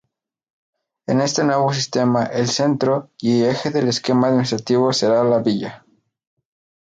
En este nuevo sistema, el centro y eje del esquema administrativo será la Villa.